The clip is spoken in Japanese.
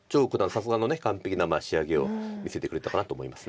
さすがの完璧な仕上げを見せてくれたかなと思います。